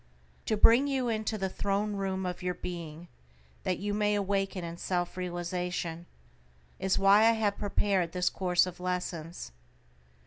To bring you into the throne room of your being, that you may awaken in self realization, is why I have prepared this course of lessons.